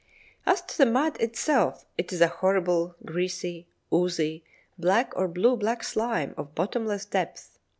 As to the mud itself, it is a horrible, greasy, oozy, black or blue black slime of bottomless depth.